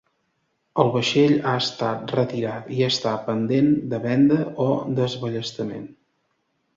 El vaixell ha estat retirat i està pendent de venda o desballestament.